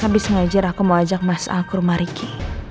habis ngajir aku mau ajak mas al ke rumah ricky